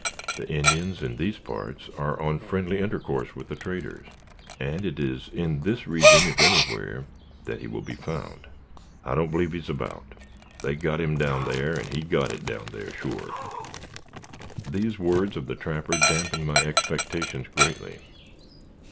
The Indians in these parts are on friendly intercourse with the traders, and it is in this region, if anywhere, that he will be found." "I don't b'lieve he's about. They got him down thar, and he got it down thar, sure." These words of the trapper dampened my expectations greatly.